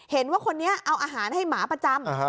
เห็นว่าคนนี้เอาอาหารให้หมาประจำ